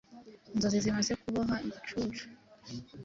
Inzozi zimaze kuboha igicucu